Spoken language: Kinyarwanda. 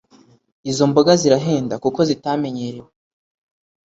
izomboga zirahenda kuko zitamenyerewe